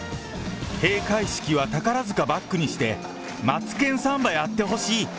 閉会式は宝塚バックにして、マツケンサンバやってほしい。